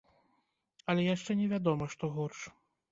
Але яшчэ невядома, што горш.